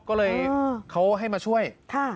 ก็เลยเขาให้มาช่วย